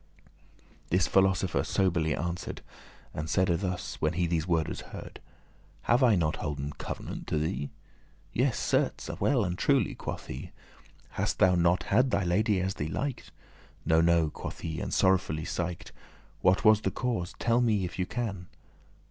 This philosopher soberly* answer'd, *gravely And saide thus, when he these wordes heard; "Have I not holden covenant to thee?" "Yes, certes, well and truely," quoth he. "Hast thou not had thy lady as thee liked?" "No, no," quoth he, and sorrowfully siked.* *sighed "What was the cause? tell me if thou can."